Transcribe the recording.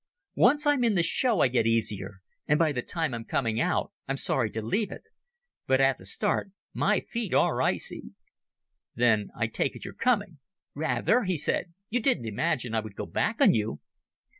Once I'm in the show I get easier, and by the time I'm coming out I'm sorry to leave it. But at the start my feet are icy." "Then I take it you're coming?" "Rather," he said. "You didn't imagine I would go back on you?"